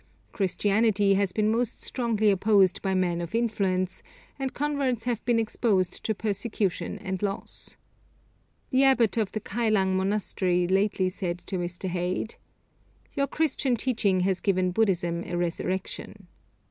Christianity has been most strongly opposed by men of influence, and converts have been exposed to persecution and loss. The abbot of the Kylang monastery lately said to Mr. Heyde, 'Your Christian teaching has given Buddhism a resurrection.'